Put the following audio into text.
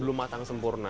belum matang sempurna